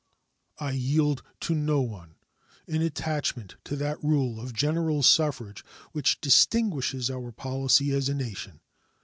I yield to no one in attachment to that rule of general suffrage which distinguishes our policy as a nation.